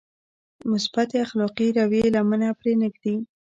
مثبتې اخلاقي رويې لمنه پرې نهږدي.